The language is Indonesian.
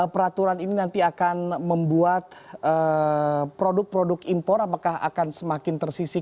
peraturan ini nanti akan membuat produk produk impor apakah akan semakin tersisih